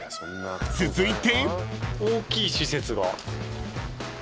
［続いて］